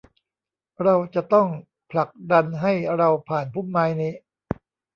เราจะต้องผลักดันให้เราผ่านพุ่มไม้นี้